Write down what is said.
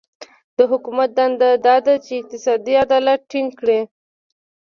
د حکومت دنده دا ده چې اقتصادي عدالت ټینګ کړي.